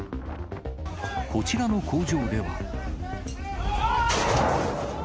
こちらの工場では。